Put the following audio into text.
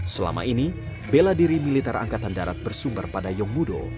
selama ini bela diri militer angkatan darat bersumber pada yong mudo